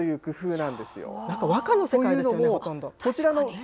なんか和歌の世界ですよね、ほとんど。